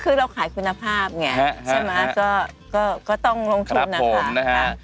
คือเราขายคุณภาพไงใช่ไหมก็ต้องลงทุนนะคะ